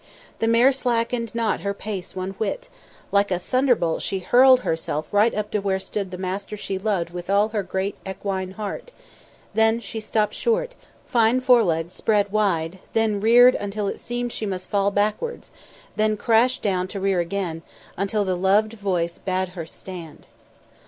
The mare slackened not her pace one whit; like a thunderbolt she hurled herself right up to where stood the master she loved with all her great equine heart; then she stopped short, fine fore legs spread wide; then reared until it seemed she must fall backwards; then crashed down to rear again, until the loved voice bade her stand.